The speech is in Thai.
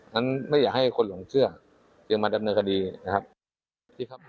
ดังนั้นไม่อยากให้คนหลงเชื่อยังมาดับเนื้อคดีนะครับ